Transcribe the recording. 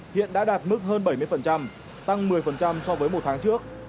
hiện đã đạt mức hơn bảy mươi tăng một mươi so với một tháng trước